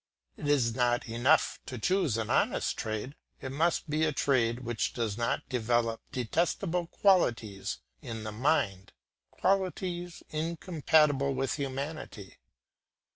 It is not enough to choose an honest trade, it must be a trade which does not develop detestable qualities in the mind, qualities incompatible with humanity.